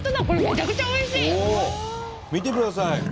これ見てください。